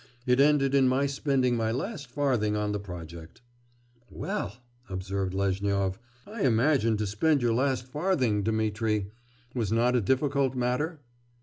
It ended in my spending my last farthing on the project.' 'Well!' observed Lezhnyov, 'I imagine to spend your last farthing, Dmitri, was not a difficult matter?